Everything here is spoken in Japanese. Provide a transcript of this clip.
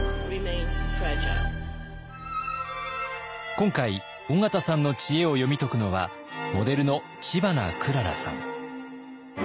今回緒方さんの知恵を読み解くのはモデルの知花くららさん。